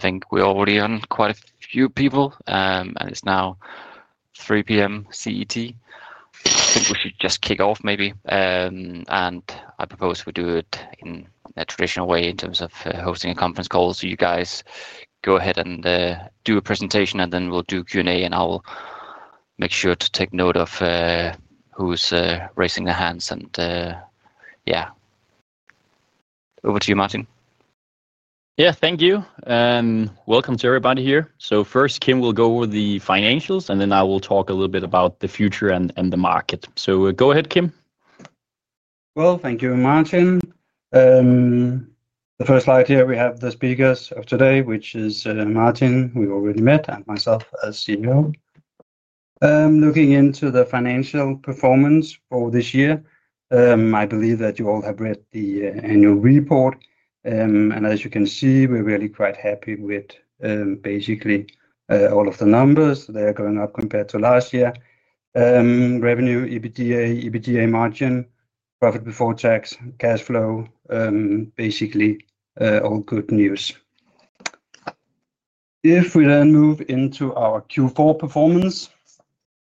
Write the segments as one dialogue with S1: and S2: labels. S1: I think we already have quite a few people, and it's now 3:00 P.M. CET. I think we should just kick off, maybe, and I propose we do it in a traditional way in terms of hosting a conference call. You guys go ahead and do a presentation, then we'll do Q&A, and I'll make sure to take note of who's raising their hands. Yeah, over to you, Martin.
S2: Thank you. Welcome to everybody here. First, Kim will go over the financials, and then I will talk a little bit about the future and the market. Go ahead, Kim.
S3: Thank you, Martin. The first slide here, we have the speakers of today, which is Martin, who you already met, and myself, as you know. Looking into the financial performance for this year, I believe that you all have read the annual report. As you can see, we're really quite happy with basically all of the numbers. They're going up compared to last year. Revenue, EBITDA, EBITDA margin, profit before tax, cash flow, basically all good news. If we then move into our Q4 performance,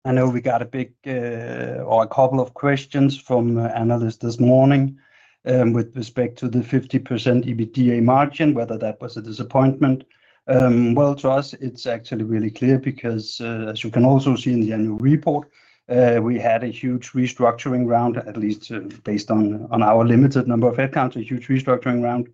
S3: I know we got a big or a couple of questions from analysts this morning with respect to the 50% EBITDA margin, whether that was a disappointment. To us, it's actually really clear because, as you can also see in the annual report, we had a huge restructuring round, at least based on our limited number of headcount, a huge restructuring round.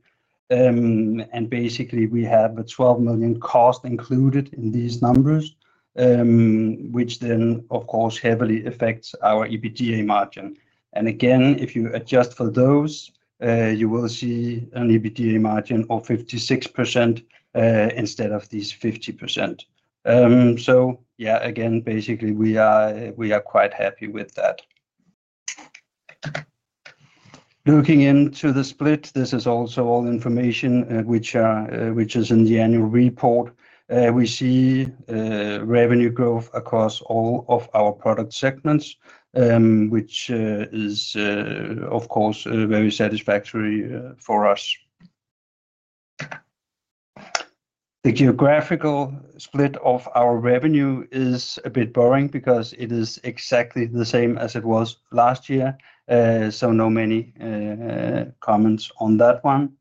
S3: Basically, we have a $12 million cost included in these numbers, which then, of course, heavily affects our EBITDA margin. Again, if you adjust for those, you will see an EBITDA margin of 56% instead of these 50%. Yeah, again, basically, we are quite happy with that. Looking into the split, this is also all information which is in the annual report. We see revenue growth across all of our product segments, which is, of course, very satisfactory for us. The geographical split of our revenue is a bit boring because it is exactly the same as it was last year. No many comments on that one.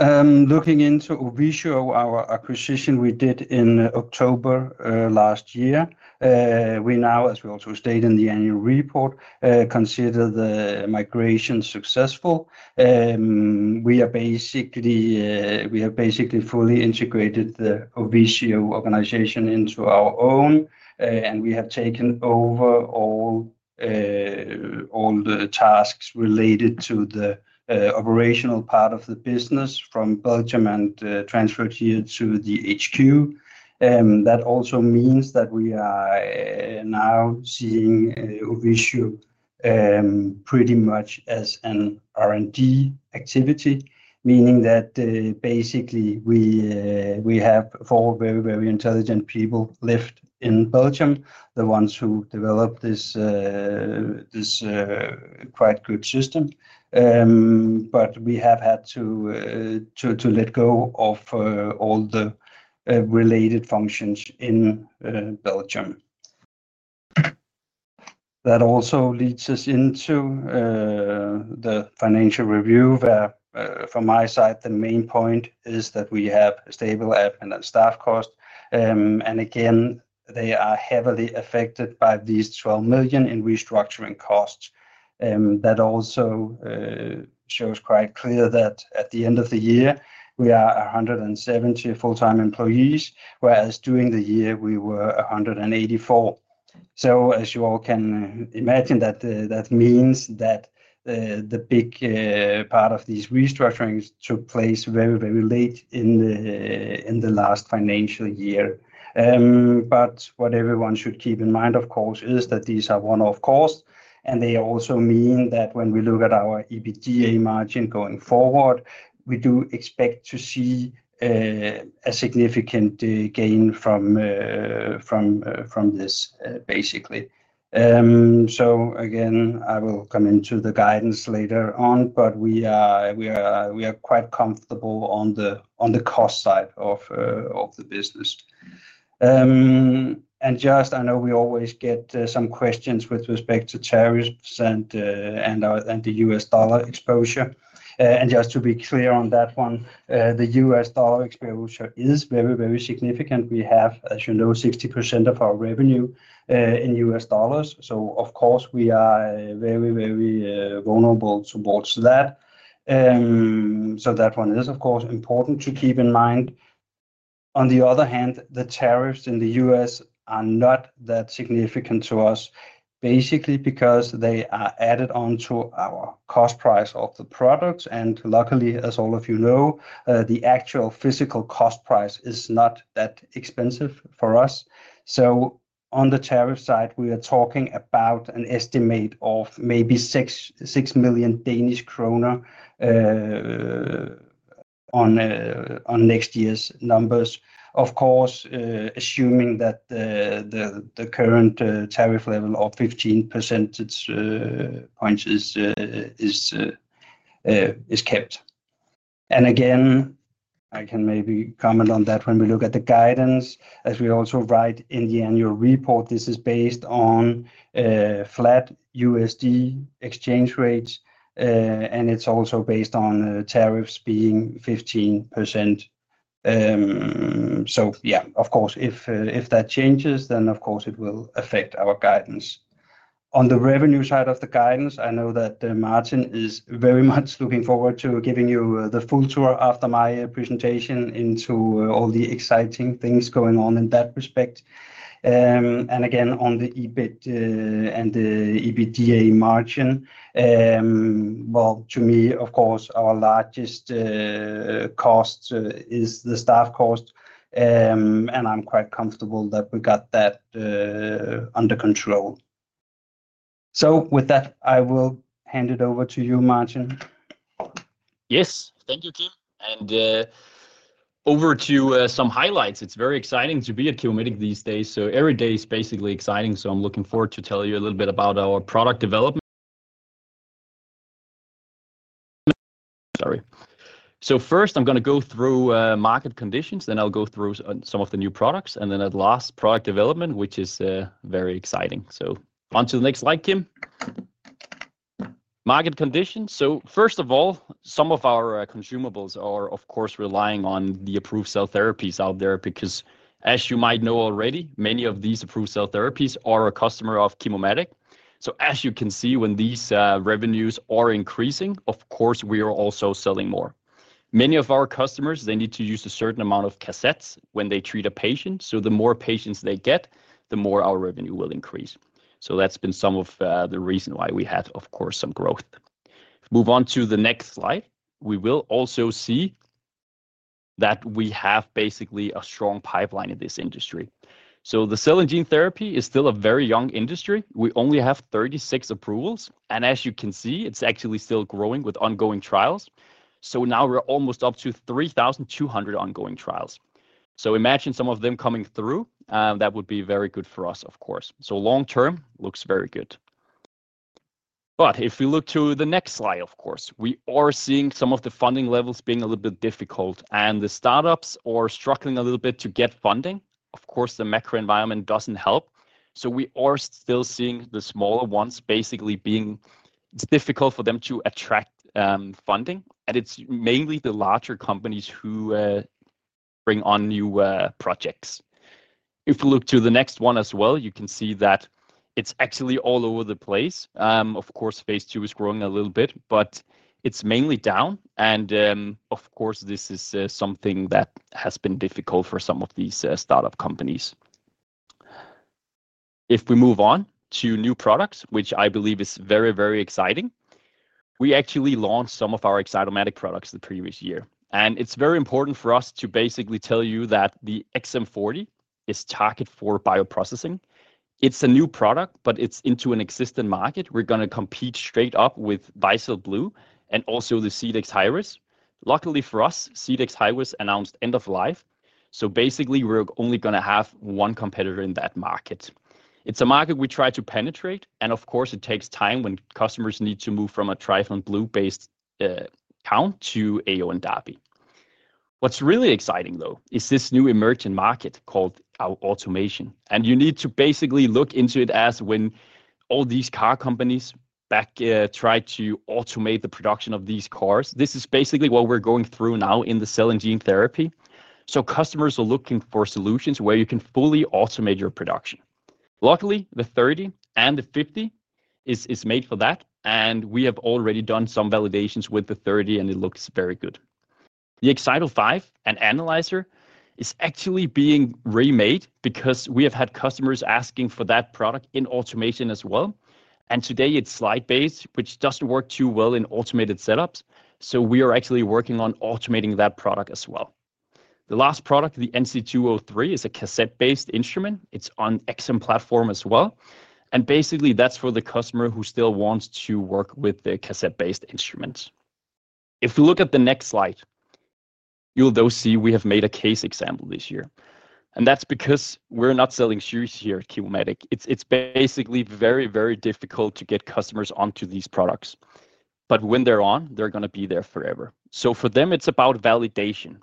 S3: Looking into a visual of our acquisition we did in October last year, we now, as we also stated in the annual report, consider the migration successful. We are basically fully integrated the OVCO organization into our own, and we have taken over all the tasks related to the operational part of the business from Belgium and transferred here to the HQ. That also means that we are now seeing OVCO pretty much as an R&D activity, meaning that basically we have four very, very intelligent people left in Belgium, the ones who developed this quite good system. We have had to let go of all the related functions in Belgium. That also leads us into the financial review, where from my side, the main point is that we have a stable app and staff cost. Again, they are heavily affected by these $12 million in restructuring costs. That also shows quite clearly that at the end of the year, we are 170 full-time employees, whereas during the year, we were 184. As you all can imagine, that means that the big part of these restructurings took place very, very late in the last financial year. What everyone should keep in mind, of course, is that these are one-off costs, and they also mean that when we look at our EBITDA margin going forward, we do expect to see a significant gain from this, basically. I will come into the guidance later on, but we are quite comfortable on the cost side of the business. I know we always get some questions with respect to tariffs and the U.S. dollar exposure. Just to be clear on that one, the U.S. dollar exposure is very, very significant. We have, as you know, 60% of our revenue in U.S. dollars. Of course, we are very, very vulnerable towards that. That one is, of course, important to keep in mind. On the other hand, the tariffs in the U.S. are not that significant to us, basically because they are added on to our cost price of the products. Luckily, as all of you know, the actual physical cost price is not that expensive for us. On the tariff side, we are talking about an estimate of maybe 6 million Danish kroner on next year's numbers. Of course, assuming that the current tariff level of 15% is kept. I can maybe comment on that when we look at the guidance. As we also write in the annual report, this is based on flat USD exchange rates, and it's also based on tariffs being 15%. If that changes, then of course it will affect our guidance. On the revenue side of the guidance, I know that Martin is very much looking forward to giving you the full tour after my presentation into all the exciting things going on in that respect. Again, on the EBIT and the EBITDA margin, to me, of course, our largest cost is the staff cost. I'm quite comfortable that we got that under control. With that, I will hand it over to you, Martin.
S2: Yes, thank you, Kim. Over to some highlights. It's very exciting to be at ChemoMetec these days. Every day is basically exciting. I'm looking forward to telling you a little bit about our product development. First, I'm going to go through market conditions, then I'll go through some of the new products, and at last, product development, which is very exciting. Onto the next slide, Kim. Market conditions. First of all, some of our consumables are, of course, relying on the approved cell therapies out there because, as you might know already, many of these approved cell therapies are a customer of ChemoMetec. As you can see, when these revenues are increasing, of course, we are also selling more. Many of our customers need to use a certain amount of cassettes when they treat a patient. The more patients they get, the more our revenue will increase. That's been some of the reasons why we have, of course, some growth. Move on to the next slide. We will also see that we have basically a strong pipeline in this industry. The cell and gene therapy is still a very young industry. We only have 36 approvals. As you can see, it's actually still growing with ongoing trials. Now we're almost up to 3,200 ongoing trials. Imagine some of them coming through. That would be very good for us, of course. Long-term looks very good. If we look to the next slide, we are seeing some of the funding levels being a little bit difficult, and the startups are struggling a little bit to get funding. The macro environment doesn't help. We are still seeing the smaller ones basically being difficult for them to attract funding. It's mainly the larger companies who bring on new projects. If we look to the next one as well, you can see that it's actually all over the place. Phase two is growing a little bit, but it's mainly down. This is something that has been difficult for some of these startup companies. If we move on to new products, which I believe is very, very exciting, we actually launched some of our Excitomatic products the previous year. It's very important for us to basically tell you that the XM40 is targeted for bioprocessing. It's a new product, but it's into an existing market. We're going to compete straight up with Bicell Blue and also the Cedex system. Luckily for us, Cedex announced end-of-life. Basically, we're only going to have one competitor in that market. It's a market we try to penetrate. Of course, it takes time when customers need to move from a Trifond Blue-based count to AO and DAPI. What's really exciting, though, is this new emerging market called automation. You need to basically look into it as when all these car companies back tried to automate the production of these cars. This is basically what we're going through now in the cell and gene therapy. Customers are looking for solutions where you can fully automate your production. Luckily, the 30 and the 50 is made for that. We have already done some validations with the 30, and it looks very good. The Excitomatic, an analyzer, is actually being remade because we have had customers asking for that product in automation as well. Today, it's slide-based, which doesn't work too well in automated setups. We are actually working on automating that product as well. The last product, the NC203, is a cassette-based instrument. It's on the XM platform as well. Basically, that's for the customer who still wants to work with the cassette-based instruments. If we look at the next slide, you'll see we have made a case example this year. That's because we're not selling shoes here at ChemoMetec. It's basically very, very difficult to get customers onto these products. When they're on, they're going to be there forever. For them, it's about validation.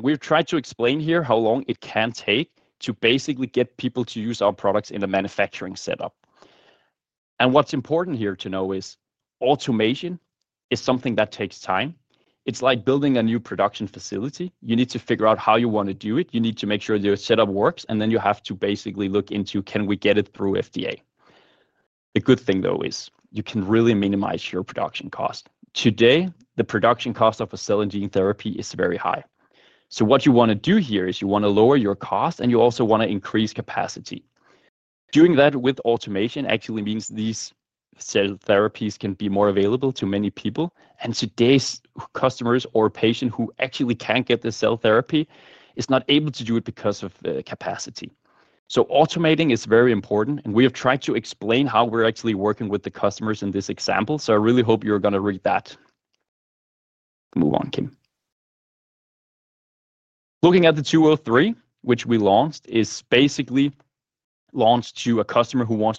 S2: We've tried to explain here how long it can take to basically get people to use our products in a manufacturing setup. What's important here to know is automation is something that takes time. It's like building a new production facility. You need to figure out how you want to do it. You need to make sure your setup works. You have to basically look into, can we get it through FDA? The good thing, though, is you can really minimize your production cost. Today, the production cost of a cell and gene therapy is very high. What you want to do here is you want to lower your cost, and you also want to increase capacity. Doing that with automation actually means these cell therapies can be more available to many people. Today's customers or patients who actually can't get the cell therapy are not able to do it because of the capacity. Automating is very important. We have tried to explain how we're actually working with the customers in this example. I really hope you're going to read that. Move on, Kim. Looking at the 203, which we launched, it is basically launched to a customer who wants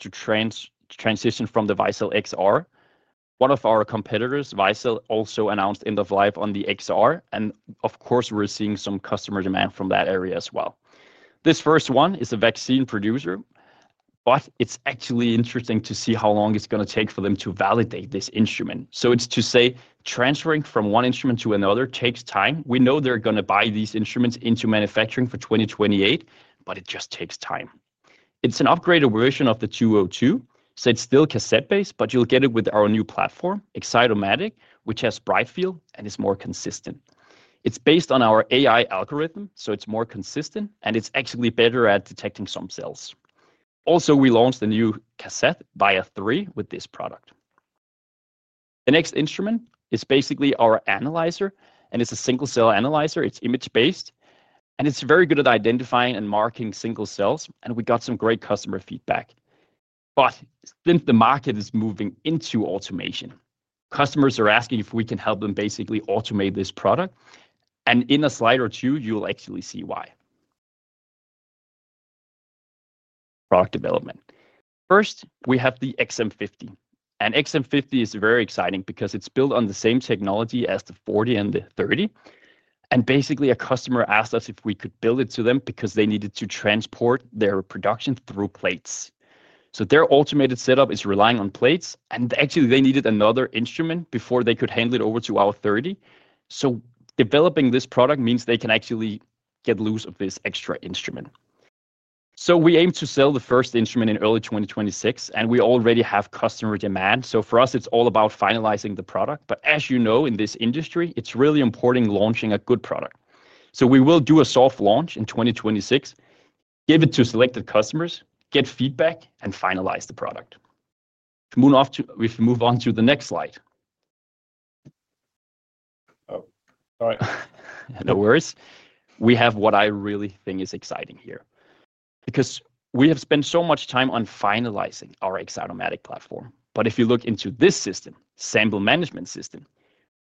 S2: to transition from the Vysel XR. One of our competitors, Vysel, also announced end-of-life on the XR. Of course, we're seeing some customer demand from that area as well. This first one is a vaccine producer. It's actually interesting to see how long it's going to take for them to validate this instrument. Transferring from one instrument to another takes time. We know they're going to buy these instruments into manufacturing for 2028, but it just takes time. It's an upgraded version of the 202. It's still cassette-based, but you'll get it with our new platform, Excitomatic, which has bright field and is more consistent. It's based on our AI algorithm, so it's more consistent, and it's actually better at detecting some cells. Also, we launched a new cassette via 3 with this product. The next instrument is basically our analyzer, and it's a single-cell analyzer. It's image-based, and it's very good at identifying and marking single cells. We got some great customer feedback. Since the market is moving into automation, customers are asking if we can help them basically automate this product. In a slide or two, you'll actually see why. Product development. First, we have the XM50. XM50 is very exciting because it's built on the same technology as the 40 and the 30. Basically, a customer asked us if we could build it for them because they needed to transport their production through plates. Their automated setup is relying on plates. Actually, they needed another instrument before they could hand it over to our 30. Developing this product means they can actually get loose of this extra instrument. We aim to sell the first instrument in early 2026, and we already have customer demand. For us, it's all about finalizing the product. As you know, in this industry, it's really important launching a good product. We will do a soft launch in 2026, give it to selected customers, get feedback, and finalize the product. We move on to the next slide. Oh, sorry. No worries. What I really think is exciting here is that we have spent so much time on finalizing our Excitomatic platform. If you look into this system, sample management system,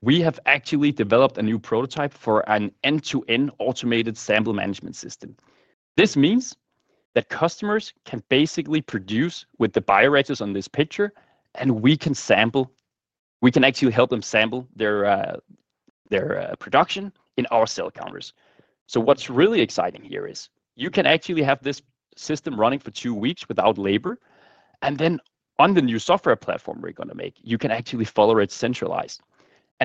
S2: we have actually developed a new prototype for an end-to-end automated sample management system. This means that customers can basically produce with the bioreactors on this picture, and we can sample, we can actually help them sample their production in our cell counters. What's really exciting here is you can actually have this system running for two weeks without labor. On the new software platform we're going to make, you can actually follow it centralized.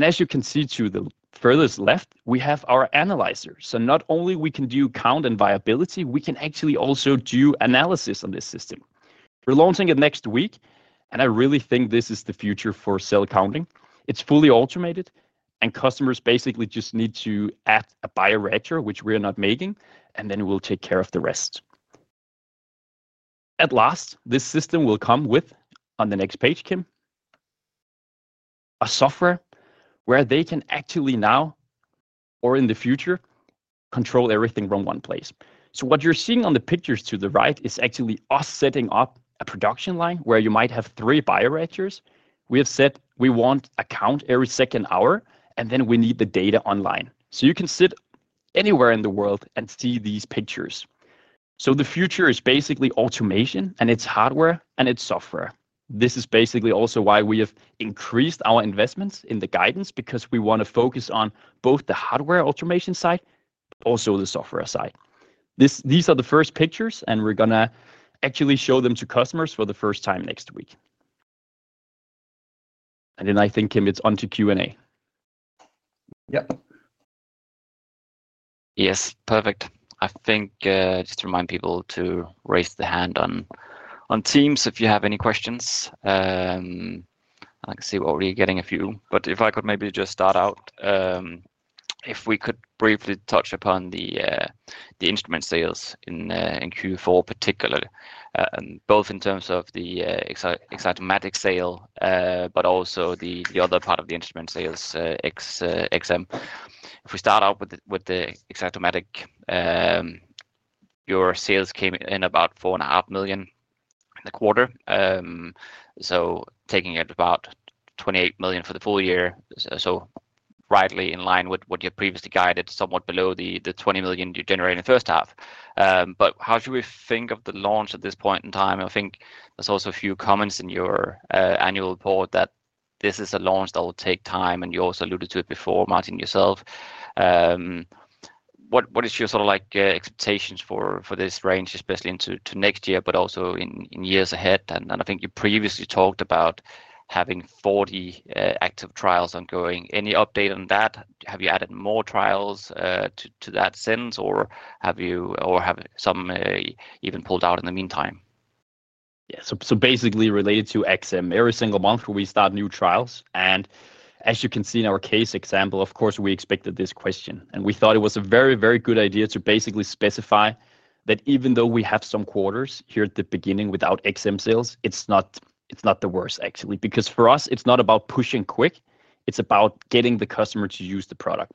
S2: As you can see to the furthest left, we have our analyzer. Not only can we do count and viability, we can actually also do analysis on this system. We're launching it next week, and I really think this is the future for cell counting. It's fully automated, and customers basically just need to add a bioreactor, which we are not making, and then we'll take care of the rest. At last, this system will come with, on the next page, Kim, a software where they can actually now or in the future control everything from one place. What you're seeing on the pictures to the right is actually us setting up a production line where you might have three bioreactors. We have said we want a count every second hour, and then we need the data online. You can sit anywhere in the world and see these pictures. The future is basically automation, and it's hardware, and it's software. This is basically also why we have increased our investments in the guidance because we want to focus on both the hardware automation side, also the software side. These are the first pictures, and we're going to actually show them to customers for the first time next week. I think, Kim, it's on to Q&A.
S1: Yes, perfect. I think just to remind people to raise the hand on Teams if you have any questions. I can see we're already getting a few. If I could maybe just start out, if we could briefly touch upon the instrument sales in Q4 particularly, both in terms of the Excitomatic sale, but also the other part of the instrument sales, XM. If we start out with the Excitomatic, your sales came in about $4.5 million in the quarter, taking it to about $28 million for the full year, so rightly in line with what you previously guided, somewhat below the $20 million you generated in the first half. How do we think of the launch at this point in time? I think there's also a few comments in your annual report that this is a launch that will take time, and you also alluded to it before, Martin, yourself. What is your sort of expectations for this range, especially into next year, but also in years ahead? I think you previously talked about having 40 active trials ongoing. Any update on that? Have you added more trials to that sense, or have some even pulled out in the meantime?
S2: Yeah, so basically related to XM, every single month we start new trials. As you can see in our case example, of course, we expected this question. We thought it was a very, very good idea to basically specify that even though we have some quarters here at the beginning without XM sales, it's not the worst, actually, because for us, it's not about pushing quick. It's about getting the customer to use the product.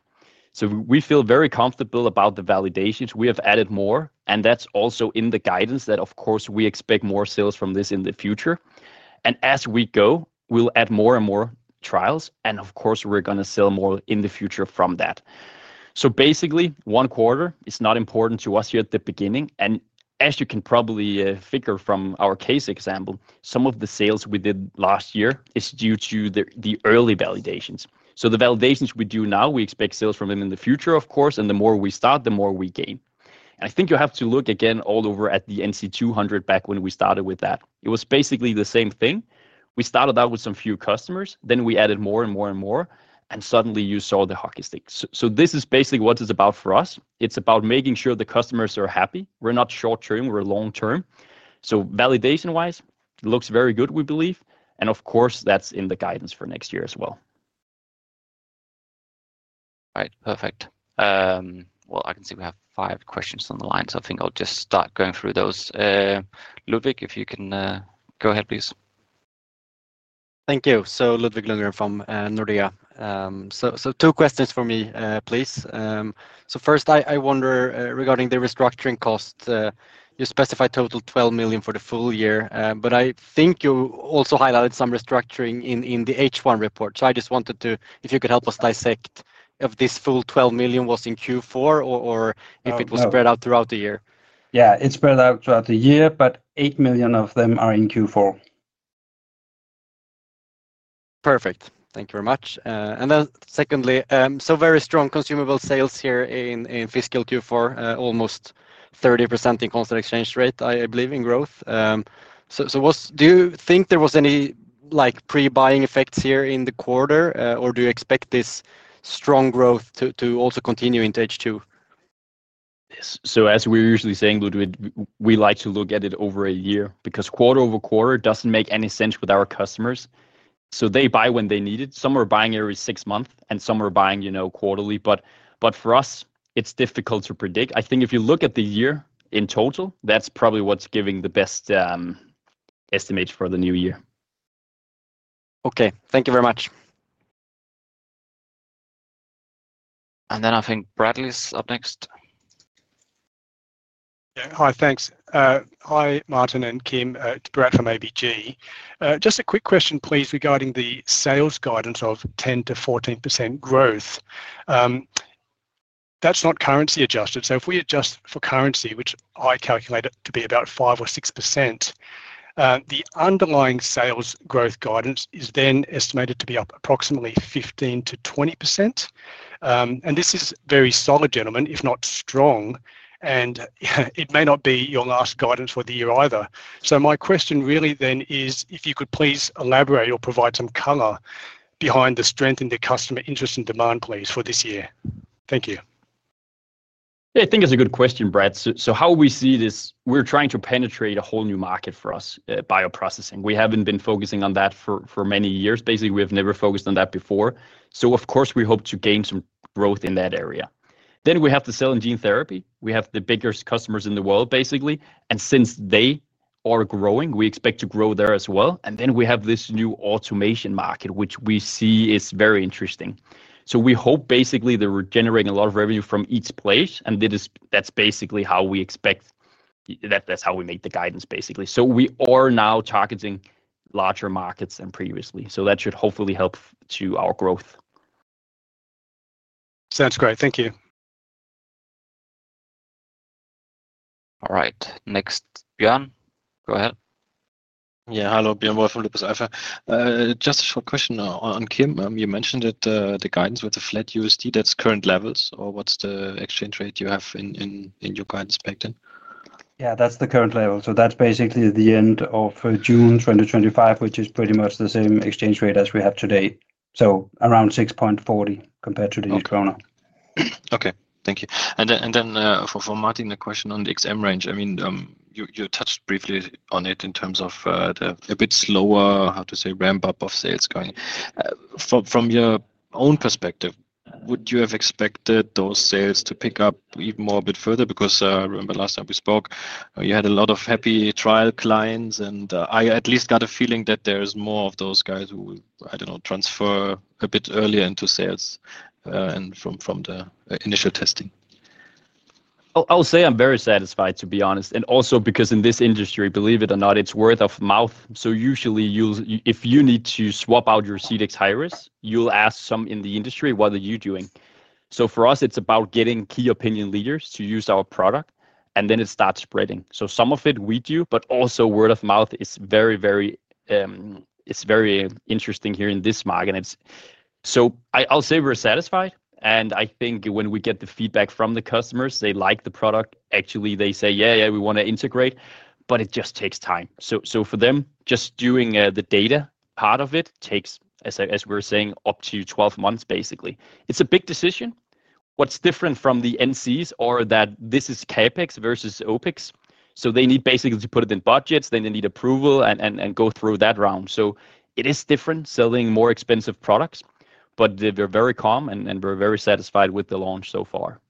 S2: We feel very comfortable about the validations. We have added more, and that's also in the guidance that, of course, we expect more sales from this in the future. As we go, we'll add more and more trials. Of course, we're going to sell more in the future from that. One quarter is not important to us here at the beginning. As you can probably figure from our case example, some of the sales we did last year are due to the early validations. The validations we do now, we expect sales from them in the future, of course. The more we start, the more we gain. I think you have to look again all over at the NC200 back when we started with that. It was basically the same thing. We started out with some few customers. Then we added more and more and more. Suddenly, you saw the hockey stick. This is basically what it's about for us. It's about making sure the customers are happy. We're not short-term. We're long-term. Validation-wise, it looks very good, we believe. Of course, that's in the guidance for next year as well.
S1: Right, perfect. I can see we have five questions on the line. I think I'll just start going through those. Ludvig, if you can go ahead, please.
S4: Thank you. Ludvig Lundgren from Nordea. Two questions for me, please. First, I wonder regarding the restructuring cost. You specified total $12 million for the full year. I think you also highlighted some restructuring in the H1 report. I just wanted to, if you could help us dissect if this full $12 million was in Q4 or if it was spread out throughout the year.
S1: Yeah, it's spread out throughout the year, but $8 million of them are in Q4.
S4: Perfect. Thank you very much. Secondly, very strong consumable sales here in fiscal Q4, almost 30% in constant exchange rate, I believe, in growth. Do you think there were any pre-buying effects here in the quarter, or do you expect this strong growth to also continue into H2?
S2: As we're usually saying, Ludvig, we like to look at it over a year because quarter over quarter doesn't make any sense with our customers. They buy when they need it. Some are buying every six months, and some are buying quarterly. For us, it's difficult to predict. I think if you look at the year in total, that's probably what's giving the best estimates for the new year.
S4: OK, thank you very much.
S1: I think Bradley is up next.
S5: Yeah, hi, thanks. Hi, Martin and Kim at Brad from ABG. Just a quick question, please, regarding the sales guidance of 10% to 14% growth. That's not currency adjusted. If we adjust for currency, which I calculate it to be about 5% or 6%, the underlying sales growth guidance is then estimated to be approximately 15% to 20%. This is very solid, gentlemen, if not strong. It may not be your last guidance for the year either. My question really then is if you could please elaborate or provide some color behind the strength in the customer interest and demand, please, for this year. Thank you.
S2: Yeah, I think it's a good question, Brad. How we see this, we're trying to penetrate a whole new market for us, bioprocessing. We haven't been focusing on that for many years. Basically, we've never focused on that before. Of course, we hope to gain some growth in that area. We have the cell and gene therapy. We have the biggest customers in the world, basically, and since they are growing, we expect to grow there as well. We have this new automation market, which we see is very interesting. We hope basically that we're generating a lot of revenue from each place, and that's basically how we expect that that's how we make the guidance, basically. We are now targeting larger markets than previously. That should hopefully help our growth.
S5: Sounds great. Thank you.
S1: All right, next, Björn. Go ahead.
S6: Yeah, hello, Björn. Welcome to the sofa. Just a short question on Kim. You mentioned that the guidance with the flat USD, that's current levels. Or what's the exchange rate you have in your guidance back then?
S3: Yeah, that's the current level. That's basically the end of June 2025, which is pretty much the same exchange rate as we have today, so around 6.40 compared to the new krone.
S6: OK, thank you. For Martin, a question on the XM range. You touched briefly on it in terms of a bit slower, how to say, ramp-up of sales going. From your own perspective, would you have expected those sales to pick up even more a bit further? I remember last time we spoke, you had a lot of happy trial clients. I at least got a feeling that there is more of those guys who, I don't know, transfer a bit earlier into sales and from the initial testing.
S2: I'll say I'm very satisfied, to be honest. Also, because in this industry, believe it or not, it's word of mouth. Usually, if you need to swap out your Cedex, you'll ask someone in the industry, what are you doing? For us, it's about getting key opinion leaders to use our product, and then it starts spreading. Some of it we do, but also word of mouth is very, very interesting here in this market. I'll say we're satisfied. I think when we get the feedback from the customers, they like the product. Actually, they say, yeah, yeah, we want to integrate. It just takes time. For them, just doing the data part of it takes, as we're saying, up to 12 months, basically. It's a big decision. What's different from the NCs is that this is CAPEX versus OPEX. They need basically to put it in budgets. They need approval and go through that round. It is different selling more expensive products. They're very calm, and we're very satisfied with the launch so far.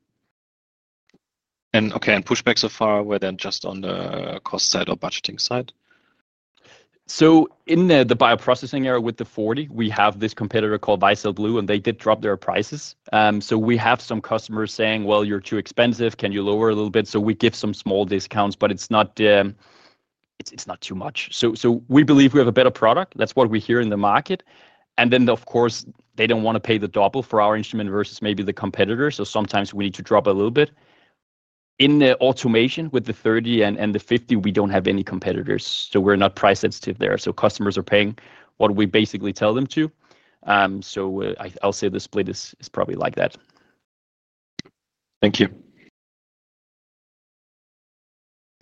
S6: OK, any pushback so far, whether just on the cost side or budgeting side?
S2: In the bioprocessing area with the XM40, we have this competitor called Bicell Blue, and they did drop their prices. We have some customers saying, you're too expensive. Can you lower a little bit? We give some small discounts, but it's not too much. We believe we have a better product. That's what we hear in the market. Of course, they don't want to pay the double for our instrument versus maybe the competitors. Sometimes we need to drop a little bit. In the automation with the XM30 and the XM50, we don't have any competitors. We're not price-sensitive there. Customers are paying what we basically tell them to. I'll say the split is probably like that.
S6: Thank you.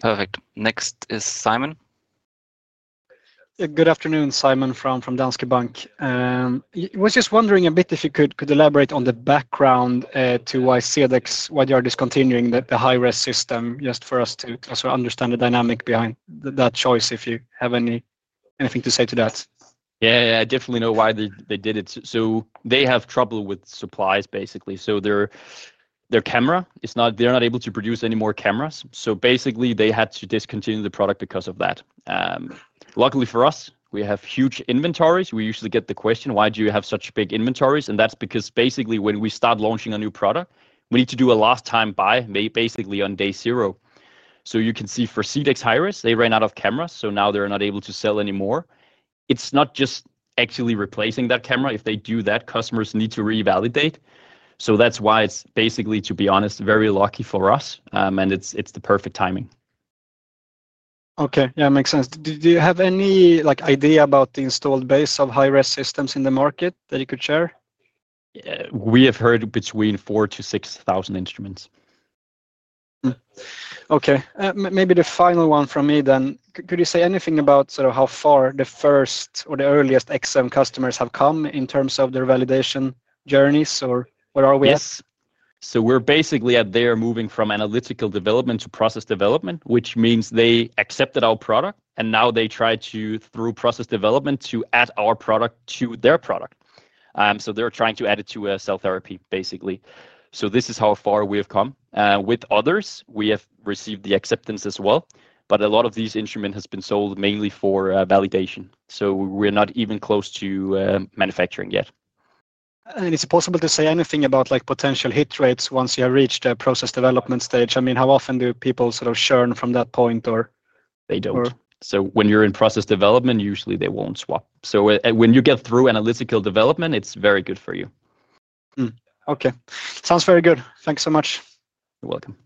S1: Perfect. Next is Simon.
S7: Good afternoon, Simon from Danske Bank. I was just wondering a bit if you could elaborate on the background to why Cedex, why they are discontinuing the Cedex system, just for us to understand the dynamic behind that choice, if you have anything to say to that.
S2: Yeah, I definitely know why they did it. They have trouble with supplies, basically. Their camera, they're not able to produce any more cameras. They had to discontinue the product because of that. Luckily for us, we have huge inventories. We usually get the question, why do you have such big inventories? That's because basically when we start launching a new product, we need to do a last-time buy basically on day zero. You can see for Cedex, they ran out of cameras. Now they're not able to sell anymore. It's not just actually replacing that camera. If they do that, customers need to revalidate. That's why it's basically, to be honest, very lucky for us. It's the perfect timing.
S7: OK, yeah, it makes sense. Do you have any idea about the installed base of Cedex systems in the market that you could share?
S2: We have heard between 4,000 to 6,000 instruments.
S7: OK, maybe the final one from me then. Could you say anything about sort of how far the first or the earliest XM customers have come in terms of their validation journeys? Or where are we?
S2: We're basically at the point where they're moving from analytical development to process development, which means they accepted our product. Now they try to, through process development, add our product to their product. They're trying to add it to a cell therapy, basically. This is how far we have come. With others, we have received the acceptance as well. A lot of these instruments have been sold mainly for validation, so we're not even close to manufacturing yet.
S7: Is it possible to say anything about potential hit rates once you have reached the process development stage? I mean, how often do people sort of churn from that point, or?
S2: They don't. When you're in process development, usually they won't swap. When you get through analytical development, it's very good for you.
S7: OK. Sounds very good. Thanks so much.
S2: You're welcome.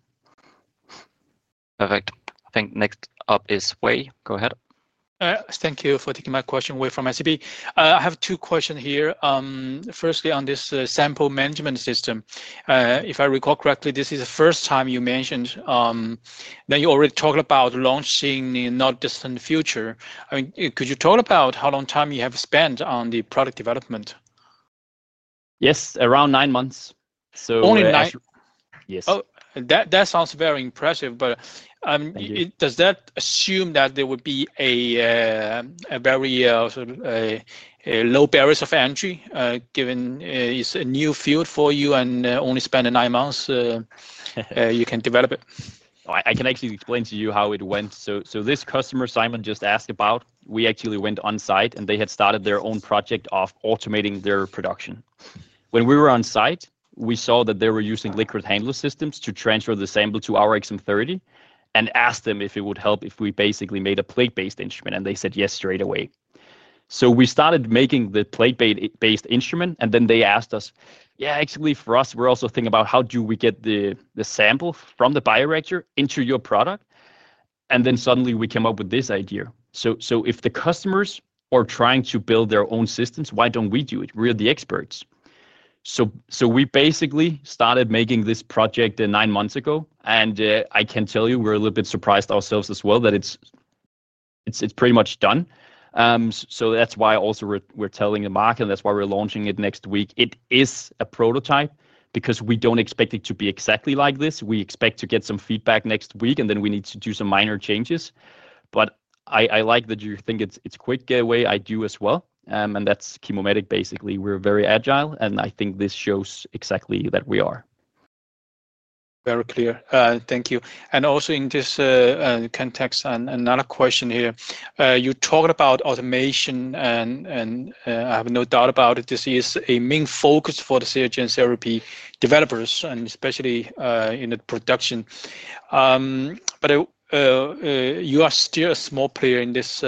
S1: Perfect. Thank you. Next up is Wei. Go ahead.
S8: Thank you for taking my question, Wei from SAP. I have two questions here. Firstly, on this sample management system, if I recall correctly, this is the first time you mentioned. You already talked about launching in the not-too-distant future. I mean, could you talk about how long time you have spent on the product development?
S2: Yes, around nine months.
S8: Only nine?
S2: Yes.
S8: Oh, that sounds very impressive. Does that assume that there would be a very low barrier of entry given it's a new field for you and only spending nine months?
S2: You can develop it. I can actually explain to you how it went. This customer Simon just asked about, we actually went on-site, and they had started their own project of automating their production. When we were on-site, we saw that they were using liquid handler systems to transfer the sample to our XM30 and asked them if it would help if we basically made a plate-based instrument. They said yes straight away, so we started making the plate-based instrument. They asked us, yeah, actually for us, we're also thinking about how do we get the sample from the bioreactor into your product. Suddenly we came up with this idea. If the customers are trying to build their own systems, why don't we do it? We're the experts. We basically started making this project nine months ago. I can tell you we're a little bit surprised ourselves as well that it's pretty much done. That's why we're telling the market, and that's why we're launching it next week. It is a prototype because we don't expect it to be exactly like this. We expect to get some feedback next week, and then we need to do some minor changes. I like that you think it's a quick getaway. I do as well. That's ChemoMetec, basically. We're very agile, and I think this shows exactly that we are.
S8: Very clear. Thank you. Also in this context, another question here. You talked about automation, and I have no doubt about it. This is a main focus for the cell and gene therapy developers, especially in the production. You are still a small player in this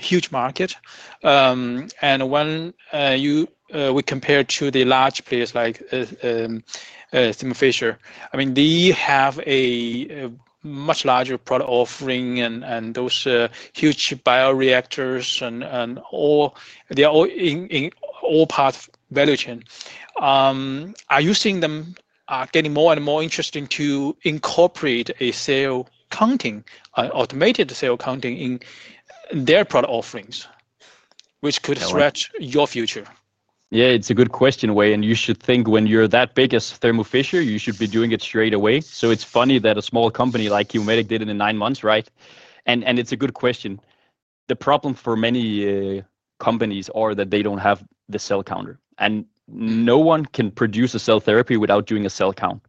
S8: huge market. When we compare to the large players like Thermo Fisher, I mean, they have a much larger product offering and those huge bioreactors, and they're all in all parts of the value chain. Are you seeing them getting more and more interested to incorporate a cell counting, an automated cell counting in their product offerings, which could threaten your future?
S2: Yeah, it's a good question, Wei. You should think when you're that big as Thermo Fisher, you should be doing it straight away. It's funny that a small company like ChemoMetec did it in nine months, right? It's a good question. The problem for many companies is that they don't have the cell counter. No one can produce a cell therapy without doing a cell count.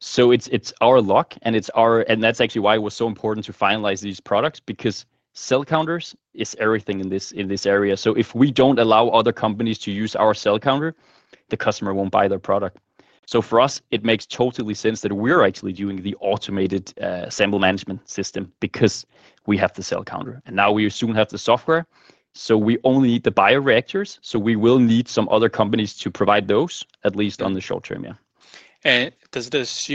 S2: It's our luck. That's actually why it was so important to finalize these products because cell counters are everything in this area. If we don't allow other companies to use our cell counter, the customer won't buy their product. For us, it makes totally sense that we're actually doing the automated sample management system because we have the cell counter. Now we assume we have the software. We only need the bioreactors. We will need some other companies to provide those, at least on the short term, yeah.
S8: Does this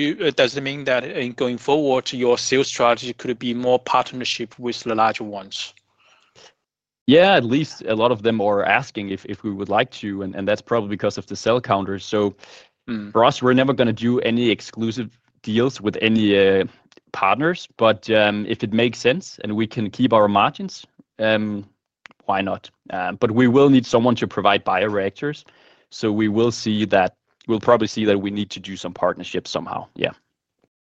S8: mean that going forward, your sales strategy could be more partnership with the larger ones?
S2: Yeah, at least a lot of them are asking if we would like to. That's probably because of the cell counter. For us, we're never going to do any exclusive deals with any partners. If it makes sense and we can keep our margins, why not? We will need someone to provide bioreactors. We will see that we'll probably see that we need to do some partnership somehow, yeah.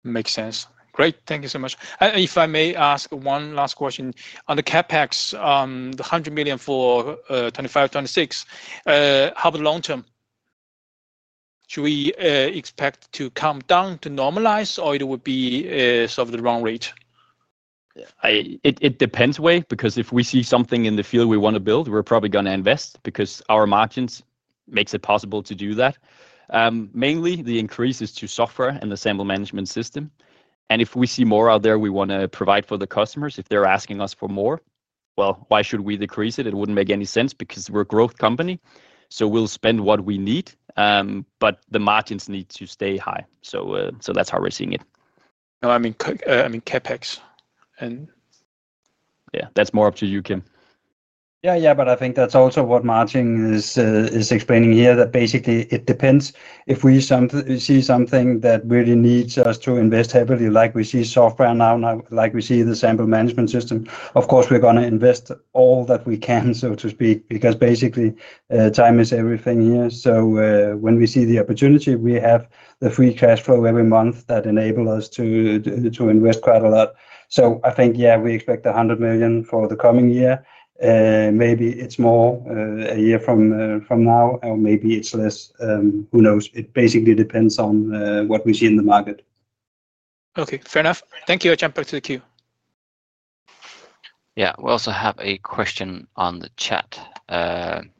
S8: Makes sense. Great. Thank you so much. If I may ask one last question, on the CAPEX, the $100 million for 2025, 2026, how about long term? Should we expect it to come down to normalize, or would it be sort of the wrong rate?
S2: It depends, Wei, because if we see something in the field we want to build, we're probably going to invest because our margins make it possible to do that. Mainly, the increase is to software and the sample management system. If we see more out there, we want to provide for the customers. If they're asking us for more, why should we decrease it? It wouldn't make any sense because we're a growth company. We'll spend what we need. The margins need to stay high. That's how we're seeing it.
S8: Oh, I mean CAPEX.
S2: Yeah, that's more up to you, Kim.
S3: Yeah, yeah, I think that's also what Martin is explaining here, that basically it depends. If we see something that really needs us to invest heavily, like we see software now, like we see the sample management system, of course, we're going to invest all that we can, so to speak, because basically time is everything here. When we see the opportunity, we have the free cash flow every month that enables us to invest quite a lot. I think, yeah, we expect $100 million for the coming year. Maybe it's more a year from now, or maybe it's less. Who knows? It basically depends on what we see in the market.
S8: OK, fair enough. Thank you. I'll jump back to the queue.
S1: Yeah, we also have a question on the chat.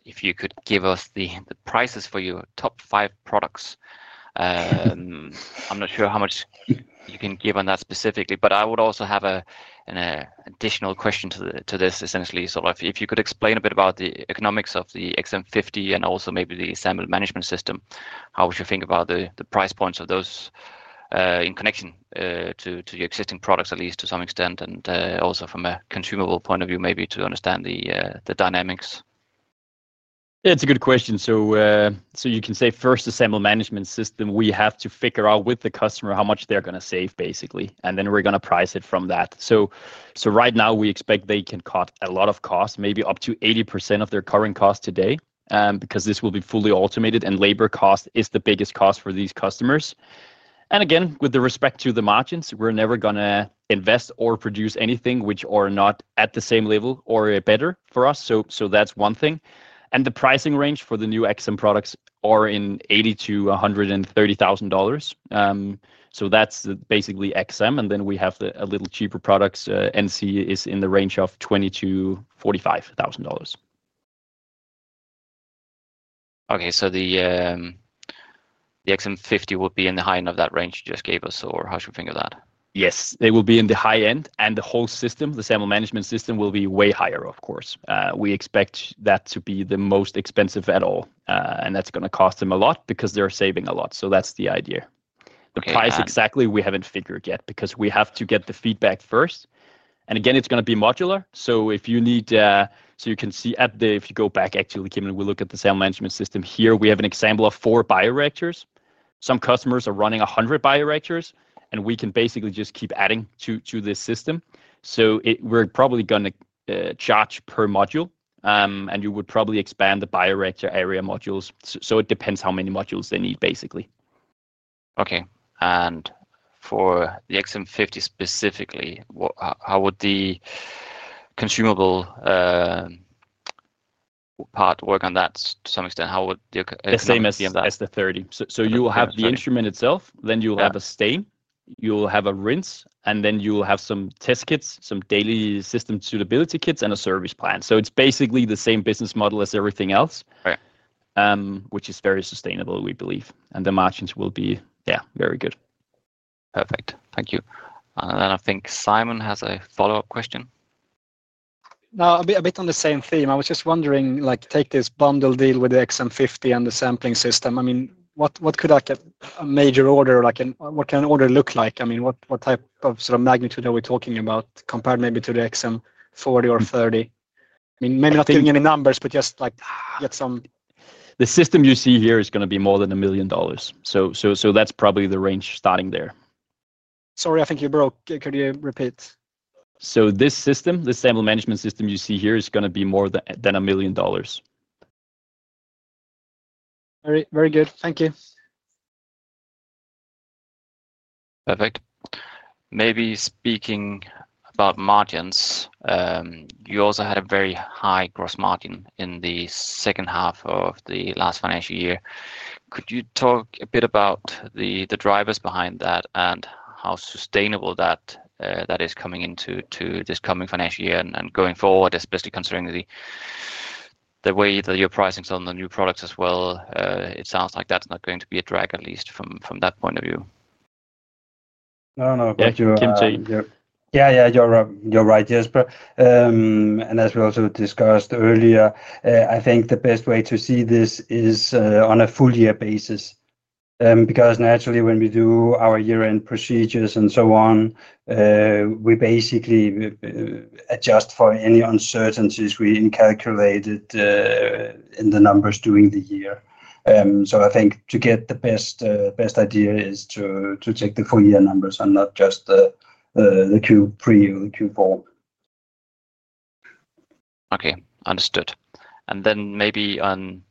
S1: If you could give us the prices for your top five products. I'm not sure how much you can give on that specifically, but I would also have an additional question to this, essentially. If you could explain a bit about the economics of the XM50 and also maybe the sample management system, how would you think about the price points of those in connection to your existing products, at least to some extent, and also from a consumable point of view, maybe to understand the dynamics?
S2: Yeah, it's a good question. You can say first the sample management system, we have to figure out with the customer how much they're going to save, basically. We're going to price it from that. Right now, we expect they can cut a lot of costs, maybe up to 80% of their current cost today because this will be fully automated. Labor cost is the biggest cost for these customers. With respect to the margins, we're never going to invest or produce anything which is not at the same level or better for us. That's one thing. The pricing range for the new XM products is in $80,000 to $130,000. That's basically XM. We have a little cheaper product. NC is in the range of $20,000 to $45,000.
S1: OK, so the XM50 would be in the high end of that range you just gave us. How should we think of that?
S2: Yes, they will be in the high end. The whole system, the sample management system, will be way higher, of course. We expect that to be the most expensive at all. That's going to cost them a lot because they're saving a lot. That's the idea. The price exactly, we haven't figured yet because we have to get the feedback first. It's going to be modular. If you need, you can see at the, if you go back, actually, Kim, and we look at the sample management system here, we have an example of four bioreactors. Some customers are running 100 bioreactors. We can basically just keep adding to this system. We're probably going to charge per module. You would probably expand the bioreactor area modules. It depends how many modules they need, basically.
S1: OK. For the XM50 specifically, how would the consumable part work on that to some extent? How would the.
S2: The same as the 30. You will have the instrument itself, a stain, a rinse, some test kits, some daily system suitability kits, and a service plan. It is basically the same business model as everything else, which is very sustainable, we believe, and the margins will be, yeah, very good.
S1: Perfect. Thank you. I think Simon has a follow-up question.
S7: No, a bit on the same theme. I was just wondering, like, take this bundle deal with the XM50 and the sample management system. I mean, could I get a major order? What can an order look like? I mean, what type of sort of magnitude are we talking about compared maybe to the XM40 or XM30? Maybe not thinking in the numbers, but just like get some.
S2: The system you see here is going to be more than $1 million. That's probably the range starting there.
S7: Sorry, I think you broke. Could you repeat?
S2: This system, the sample management system you see here, is going to be more than $1 million.
S7: Very good. Thank you.
S1: Perfect. Maybe speaking about margins, you also had a very high gross margin in the second half of the last financial year. Could you talk a bit about the drivers behind that and how sustainable that is coming into this coming financial year and going forward, especially considering the way that you're pricing some of the new products as well? It sounds like that's not going to be a drag, at least from that point of view.
S7: No, no, you're right.
S3: Yeah, you're right. Yes. As we also discussed earlier, I think the best way to see this is on a full-year basis. Because naturally, when we do our year-end procedures and so on, we basically adjust for any uncertainties we incalculated in the numbers during the year. I think to get the best idea is to check the full-year numbers and not just the Q3 or the Q4.
S1: OK, understood. Maybe on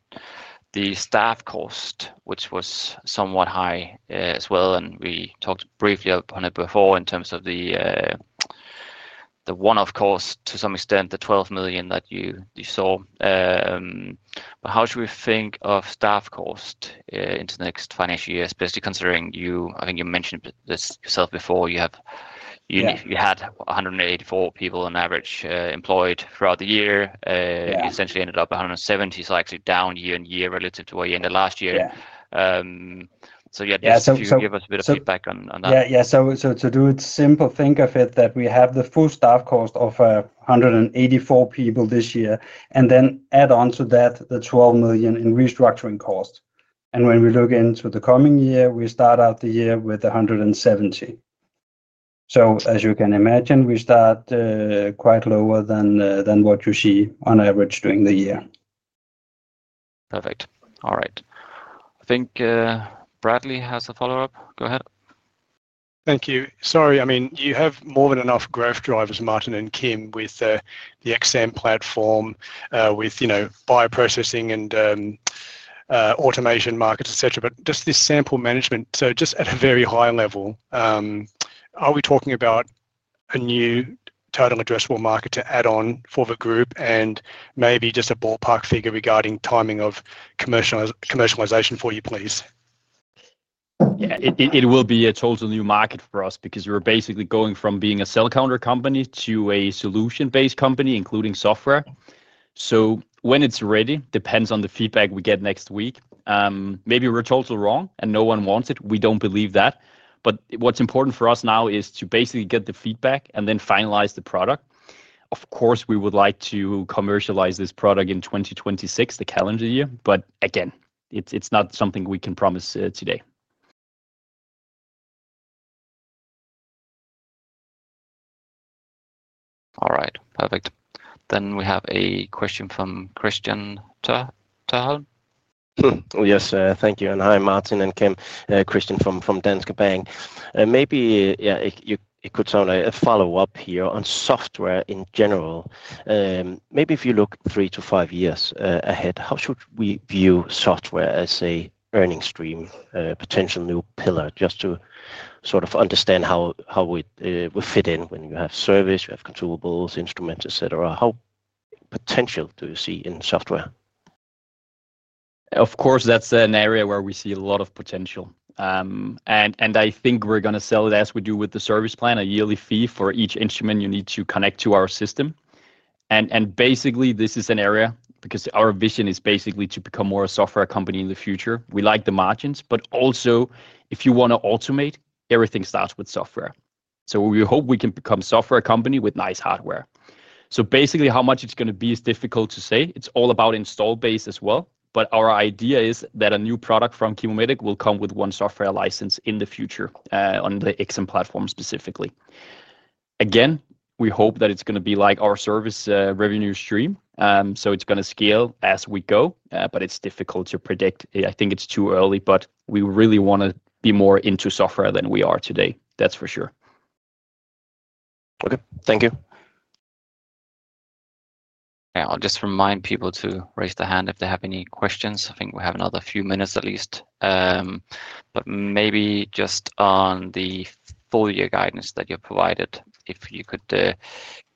S1: the staff cost, which was somewhat high as well, and we talked briefly upon it before in terms of the one-off cost to some extent, the $12 million that you saw. How should we think of staff cost into the next financial year, especially considering you, I think you mentioned this yourself before, you had 184 people on average employed throughout the year. You essentially ended up 170, so actually down year-on-year relative to where you ended last year. Give us a bit of feedback on that.
S3: Yeah, yeah. To do it simple, think of it that we have the full staff cost of 184 people this year, and then add on to that the $12 million in restructuring cost. When we look into the coming year, we start out the year with 170. As you can imagine, we start quite lower than what you see on average during the year.
S1: Perfect. All right. I think Bradley has a follow-up. Go ahead.
S5: Thank you. You have more than enough growth drivers, Martin and Kim, with the XM platform, with bioprocessing and automation markets, et cetera. Just this sample management, at a very high level, are we talking about a new total addressable market to add on for the group, and maybe just a ballpark figure regarding timing of commercialization for you, please?
S2: Yeah, it will be a total new market for us because we're basically going from being a cell counter company to a solution-based company, including software. When it's ready, it depends on the feedback we get next week. Maybe we're totally wrong and no one wants it. We don't believe that. What's important for us now is to basically get the feedback and then finalize the product. Of course, we would like to commercialize this product in 2026, the calendar year. Again, it's not something we can promise today.
S1: All right, perfect. We have a question from Christian Terhallen.
S6: Yes, thank you. Hi, Martin and Kim. Christian from Danske Bank. Maybe it could sound like a follow-up here on software in general. Maybe if you look three to five years ahead, how should we view software as an earning stream, a potential new pillar, just to sort of understand how it would fit in when you have service, you have consumables, instruments, et cetera? How potential do you see in software?
S2: Of course, that's an area where we see a lot of potential. I think we're going to sell it as we do with the service plan, a yearly fee for each instrument you need to connect to our system. Basically, this is an area because our vision is basically to become more a software company in the future. We like the margins, but also if you want to automate, everything starts with software. We hope we can become a software company with nice hardware. How much it's going to be is difficult to say. It's all about install base as well. Our idea is that a new product from ChemoMetec will come with one software license in the future on the Excitomatic (XM) platform specifically. We hope that it's going to be like our service revenue stream. It's going to scale as we go. It's difficult to predict. I think it's too early. We really want to be more into software than we are today. That's for sure.
S6: OK, thank you.
S3: Yeah, I'll just remind people to raise their hand if they have any questions. I think we have another few minutes at least. Maybe just on the full-year guidance that you provided, if you could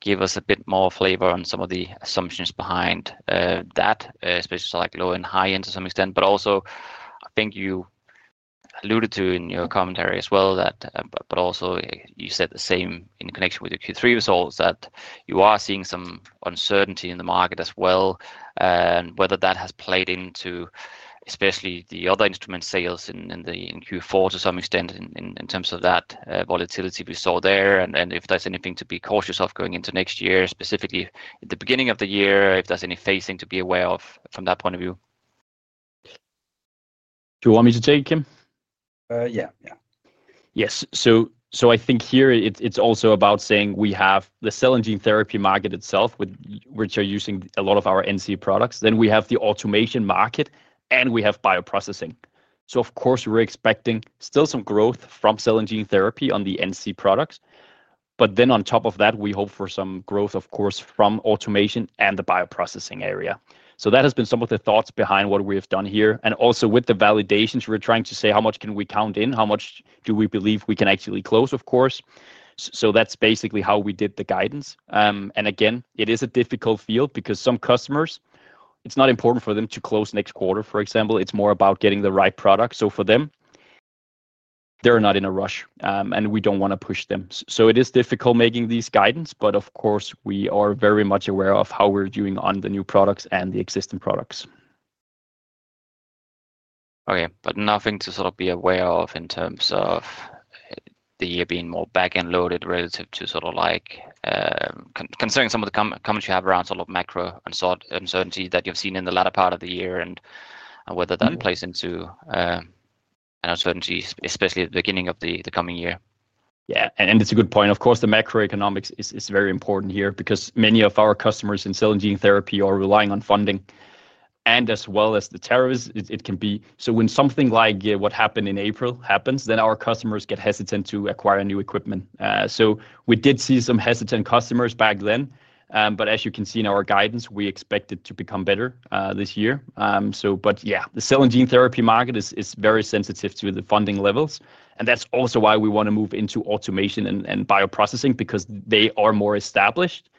S3: give us a bit more flavor on some of the assumptions behind that, especially like low and high end to some extent. I think you alluded to in your commentary as well, but also you said the same in connection with the Q3 results that you are seeing some uncertainty in the market as well, and whether that has played into especially the other instrument sales in Q4 to some extent in terms of that volatility we saw there. If there's anything to be cautious of going into next year, specifically at the beginning of the year, if there's any facing to be aware of from that point of view.
S2: Do you want me to take it, Kim? Yes. I think here it's also about saying we have the cell and gene therapy market itself, which are using a lot of our NC products. We have the automation market, and we have bioprocessing. Of course, we're expecting still some growth from cell and gene therapy on the NC products. On top of that, we hope for some growth, of course, from automation and the bioprocessing area. That has been some of the thoughts behind what we have done here. Also, with the validations, we're trying to say how much can we count in, how much do we believe we can actually close, of course. That's basically how we did the guidance. It is a difficult field because some customers, it's not important for them to close next quarter, for example. It's more about getting the right product. For them, they're not in a rush. We don't want to push them. It is difficult making these guidance. Of course, we are very much aware of how we're doing on the new products and the existing products.
S1: OK, nothing to sort of be aware of in terms of the year being more back and loaded relative to sort of like considering some of the comments you have around sort of macro uncertainty that you've seen in the latter part of the year and whether that plays into an uncertainty, especially at the beginning of the coming year.
S2: Yeah, and it's a good point. Of course, the macroeconomics is very important here because many of our customers in cell and gene therapy are relying on funding. As well as the tariffs, it can be. When something like what happened in April happens, our customers get hesitant to acquire new equipment. We did see some hesitant customers back then. As you can see in our guidance, we expect it to become better this year. The cell and gene therapy market is very sensitive to the funding levels. That's also why we want to move into automation and bioprocessing because they are more established.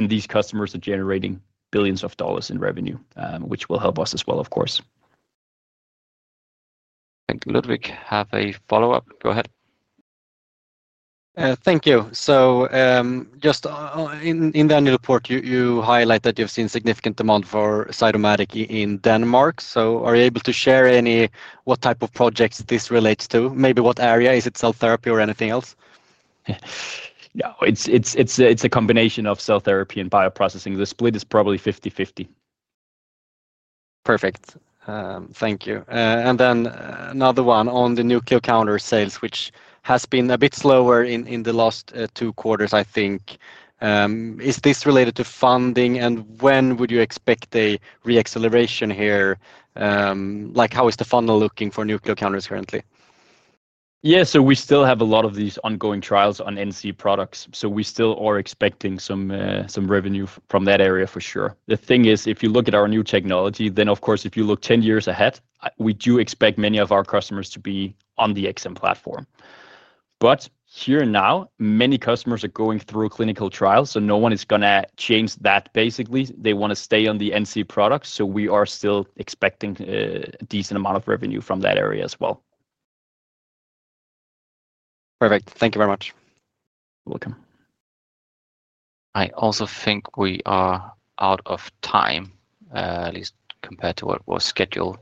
S2: These customers are generating billions of dollars in revenue, which will help us as well, of course.
S1: Thank you, Ludvig. Have a follow-up. Go ahead.
S4: Thank you. In the annual report, you highlight that you've seen significant demand for Excitomatic in Denmark. Are you able to share what type of projects this relates to? Maybe what area? Is it cell therapy or anything else?
S2: No, it's a combination of cell therapy and bioprocessing. The split is probably 50/50.
S4: Perfect. Thank you. Another one on the nuclear counter sales, which has been a bit slower in the last two quarters, I think. Is this related to funding? When would you expect a reacceleration here? How is the funnel looking for nuclear counters currently?
S2: Yeah, we still have a lot of these ongoing trials on NC products. We still are expecting some revenue from that area for sure. The thing is, if you look at our new technology, then of course, if you look 10 years ahead, we do expect many of our customers to be on the XM platform. Here now, many customers are going through clinical trials. No one is going to change that, basically. They want to stay on the NC products. We are still expecting a decent amount of revenue from that area as well.
S4: Perfect. Thank you very much.
S2: You're welcome.
S1: I also think we are out of time, at least compared to what was scheduled.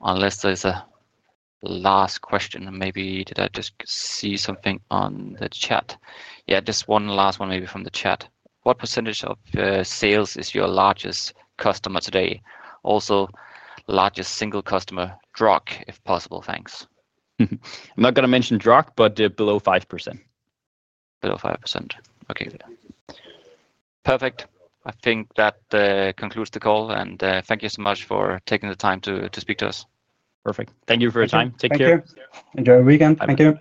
S1: Unless there's a last question, and maybe did I just see something on the chat? Yeah, this one last one, maybe from the chat. What % of sales is your largest customer today? Also, largest single customer, DROC, if possible. Thanks.
S2: I'm not going to mention DROC, but below 5%.
S3: Below 5%.
S1: OK, yeah. Perfect. I think that concludes the call. Thank you so much for taking the time to speak to us. Perfect.
S2: Thank you for your time. Take care.
S3: Thank you. Enjoy your weekend. Thank you.
S2: You too.